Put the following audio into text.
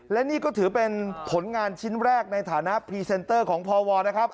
และนี่ก็ถือเป็นผลงานชิ้นแรกในฐานะพรีเซนเตอร์ของพวนะครับ